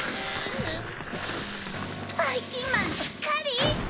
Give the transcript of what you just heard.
ばいきんまんしっかり！